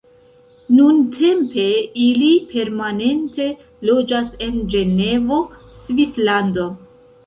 Nuntempe ili permanente loĝas en Ĝenevo, Svislando.